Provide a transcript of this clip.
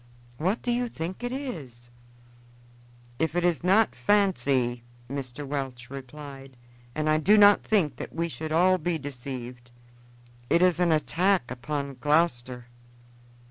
What do you think it is?" "If it is not fancy," Mr. Welch replied, "and I do not think that we should all be deceived, it is an attack upon Gloucester."